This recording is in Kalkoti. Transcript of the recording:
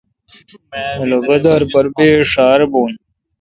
للو بازار پر بے دیر ݭار بھون۔